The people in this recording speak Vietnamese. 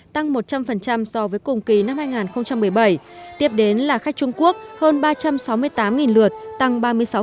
tăng một trăm linh so với cùng kỳ năm hai nghìn một mươi bảy tiếp đến là khách trung quốc hơn ba trăm sáu mươi tám lượt tăng ba mươi sáu